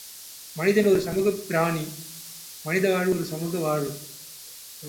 மனிதன் ஒரு சமூகப் பிராணி, மனித வாழ்வு ஒரு சமூக வாழ்வு.